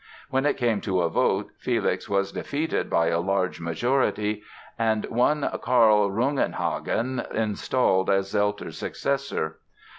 When it came to a vote Felix was defeated by a large majority and one Karl Rungenhagen installed as Zelter's successor.